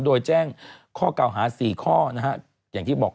โดยแจ้งข้อเก่าหา๔ข้อ